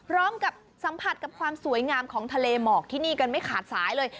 พร้อมกับสัมผัสกับความสวยงามของทะเลหมอกที่นี่กันไม่ขาดสายเลย